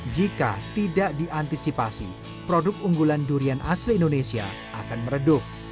jika tidak diantisipasi produk unggulan durian asli indonesia akan meredup